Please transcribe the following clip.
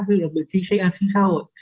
ví dụ như là bệnh viện khách ăn xin xã hội